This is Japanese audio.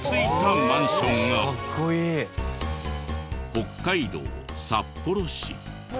北海道札幌市。